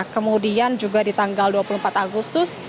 kemudian juga di tanggal dua puluh empat agustus